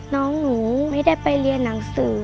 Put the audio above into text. น้องหนูไม่ได้ไปเรียนหนังสือ